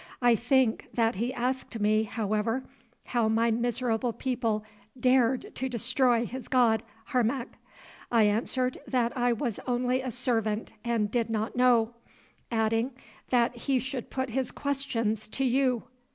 I think that he asked me, however, how my miserable people dared to destroy his god, Harmac. I answered that I was only a servant and did not know, adding that he should put his questions to you."